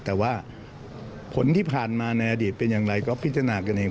แต่ว่าผลที่ผ่านมาในอดีตเป็นอย่างไรก็พิจารณากันเอง